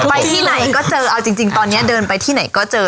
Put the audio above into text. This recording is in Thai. ไปที่ไหนก็เจอเอาจริงตอนนี้เดินไปที่ไหนก็เจอ